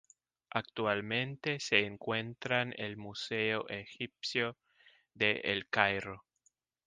Actualmente se encuentran el Museo Egipcio de El Cairo.